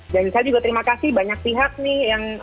dan saya juga terima kasih banyak pihak nih yang menanggapi